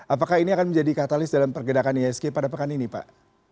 apakah ini akan menjadi katalis dalam pergerakan isg pada pekan ini pak